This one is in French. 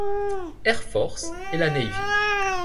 Air Force et la Navy.